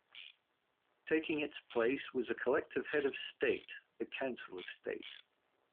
Taking its place was a collective head of state, the Council of State.